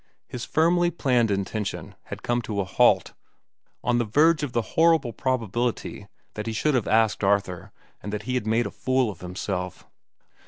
His firmly planned intention had come to a halt on the verge of the horrible probability that he should have asked Arthur and that he had made a fool of himself.